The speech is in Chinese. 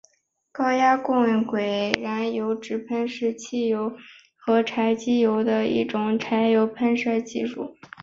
高压共轨燃油直喷是汽油机与柴油机的一种燃油直喷技术。